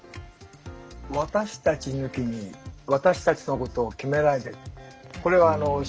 私たち抜きに私たちのことを決めないで。